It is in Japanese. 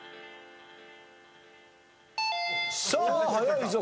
さあ早いぞ。